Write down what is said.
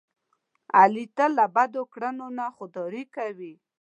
علي تل له بدو کړنو نه خوداري کوي.